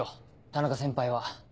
田中先輩は。